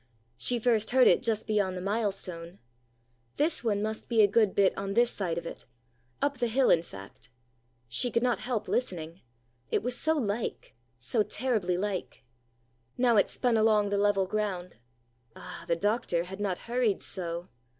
She first heard it just beyond the mile stone. This one must be a good bit on this side of it; up the hill, in fact. She could not help listening. It was so like, so terribly like! Now it spun along the level ground. Ah, the doctor had not hurried so!